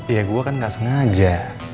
ya gue kan gak sengaja